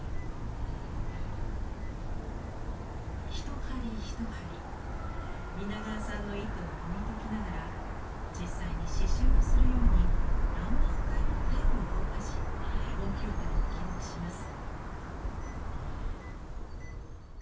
一針一針皆川さんの意図を読み解きながら実際に刺しゅうをするように何万回も手を動かしコンピューターに記録します。